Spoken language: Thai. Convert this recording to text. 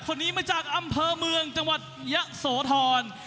คนนี้มาจากอำเภอเมืองจังหวัดยะโสธร